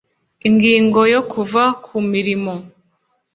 Ingingo yo Kuva ku mirimo